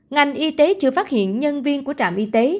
ngành y tế chưa phát hiện nhân viên của trạm y tế